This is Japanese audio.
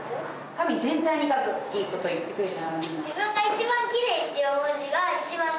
紙全体に書くいいこと言ってくれた。